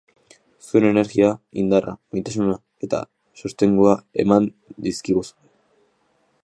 Zuen energia, indarra, maitasuna eta sostengua eman dizkiguzue.